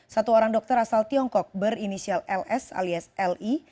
satu orang dokter asal tiongkok berinisial ls alias li